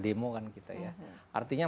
demo kan kita ya artinya